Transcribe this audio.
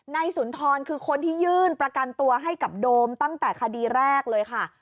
สุนทรคือคนที่ยื่นประกันตัวให้กับโดมตั้งแต่คดีแรกเลยค่ะ